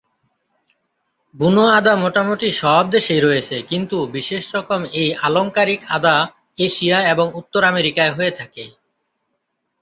বুনো আদা মোটামুটি সব দেশেই রয়েছে কিন্তু বিশেষ রকম এই আলংকারিক আদা এশিয়া এবং উত্তর আমেরিকায় হয়ে থাকে।